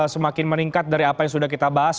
semakin meningkat dari apa yang sudah kita bahas